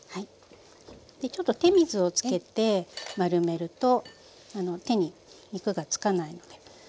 ちょっと手水をつけて丸めると手に肉がつかないので。